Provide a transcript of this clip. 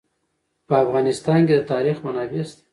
په افغانستان کې د تاریخ منابع شته.